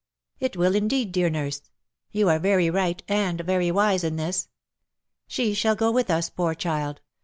" It will, indeed, dear nurse ! You are very right, and very wise in this. She shall go with us, poor child.